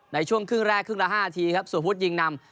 ในช่วงครึ่งแรกครึ่งละ๕นาทีครับส่วนพุทธยิงนำ